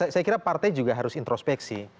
saya kira partai juga harus introspeksi